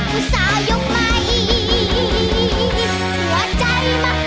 อุตส่าห์ยกใหม่หัวใจมากรู้